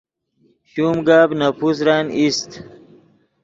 شوم گپ نے پوسرن ایست